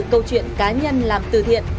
câu chuyện cá nhân làm từ thiện